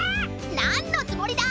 なんのつもりだ！